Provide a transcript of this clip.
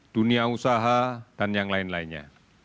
dunia usaha dan yang lain lainnya